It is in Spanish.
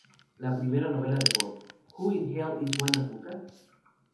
La primera novela de Ford, "Who in Hell is Wanda Fuca?